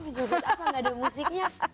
jodoh apa gak ada musiknya